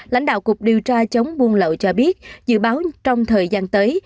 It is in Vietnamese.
lãnh đạo cục điều tra chống buôn lậu cho biết dự báo trong thời gian tới